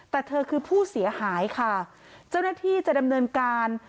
แต่เธอคือผู้เสียหายค่ะเจ้าหน้าที่จะดำเนินการ